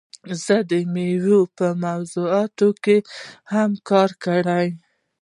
زه د میوو په موضوعاتو کې هم کار کړی.